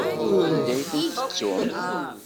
Anda ay ten-tettumt?